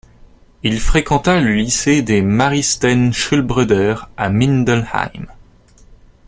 Il fréquenta le lycée des Maristen-Schulbrüder à Mindelheim.